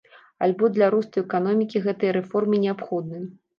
Альбо для росту эканомікі гэтыя рэформы неабходны.